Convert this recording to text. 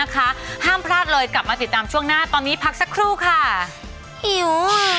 กลับมาติดตามช่วงหน้าตอนนี้พักสักครู่ค่ะอิ๋ว